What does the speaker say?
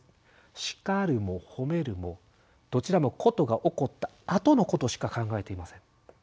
叱るも褒めるもどちらも事が起こったあとのことしか考えていません。